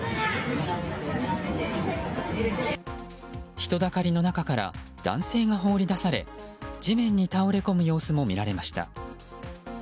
人だかりの中から男性が放り出され地面に倒れ込む様子も見られました。